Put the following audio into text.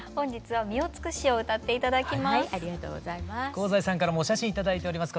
香西さんからもお写真頂いております。